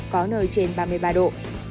có nơi trên ba mươi ba độ